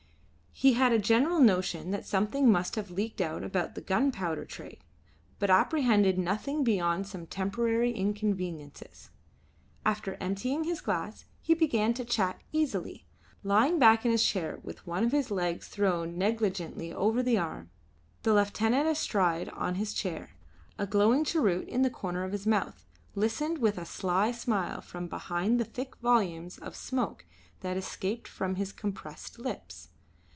He had a general notion that something must have leaked out about the gunpowder trade, but apprehended nothing beyond some temporary inconveniences. After emptying his glass he began to chat easily, lying back in his chair with one of his legs thrown negligently over the arm. The lieutenant astride on his chair, a glowing cheroot in the corner of his mouth, listened with a sly smile from behind the thick volumes of smoke that escaped from his compressed lips.